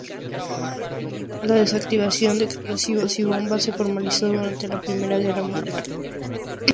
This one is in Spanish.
La desactivación de explosivos y bombas se formalizó durante la Primera Guerra Mundial.